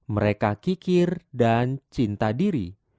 mereka kikir dan cinta diri